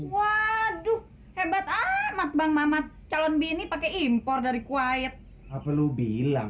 waduh hebat amat bang mamat calon bini pakai impor dari kuwait apa lu bilang